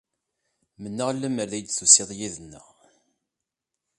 Mennaɣ lemmer d ay d-tusiḍ yid-neɣ.